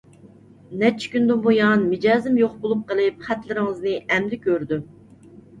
نەچچە كۈندىن بۇيان مىجەزىم يوق بولۇپ قېلىپ خەتلىرىڭىزنى ئەمدى كۆردۈم.